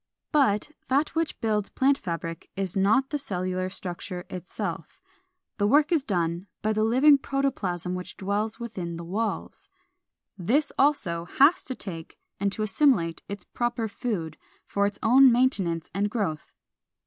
454. But that which builds plant fabric is not the cellular structure itself; the work is done by the living protoplasm which dwells within the walls. This also has to take and to assimilate its proper food, for its own maintenance and growth.